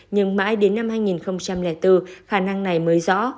nhưng mãi đến năm hai nghìn bốn khả năng này mới rõ